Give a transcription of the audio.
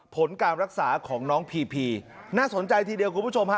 ผลการรักษาของน้องพีพีน่าสนใจทีเดียวคุณผู้ชมฮะ